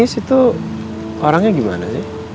denis itu orangnya gimana sih